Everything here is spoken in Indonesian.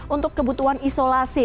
untuk kebutuhan isolasi